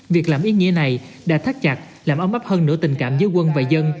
việc làm ý nghĩa này đã thắt chặt làm ấm áp hơn nửa tình cảm giữa quân và dân